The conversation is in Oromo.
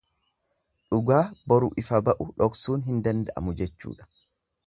Dhugaa boru ifa ba'u dhoksuun hin danda'amu jechuudha.